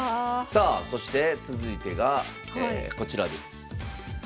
さあそして続いてがえこちらです。